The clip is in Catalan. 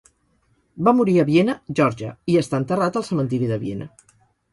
Va morir a Viena, Geòrgia i està enterrat al cementiri de Viena.